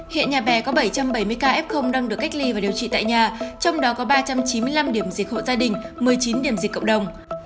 hiện nhà bè có bảy trăm bảy mươi ca f đang được cách ly và điều trị tại nhà trong đó có ba trăm chín mươi năm điểm dịch hộ gia đình một mươi chín điểm dịch cộng đồng